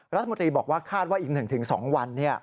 รัฐมนตรีบอกว่าคาดว่าอีก๑๒วัน